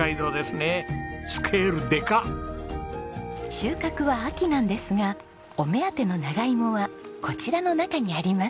収穫は秋なんですがお目当ての長芋はこちらの中にあります。